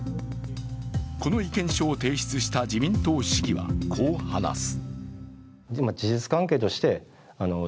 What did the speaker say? この意見書を提出した自民党の市議はこう話す。